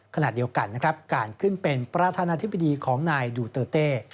ขณะเดียวกันนะครับการขึ้นเป็นประธานาธิบดีของนายดูเตอร์เต้